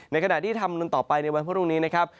ในขณะที่ทำต่อไปในวันพรุ่งนี้นะครับ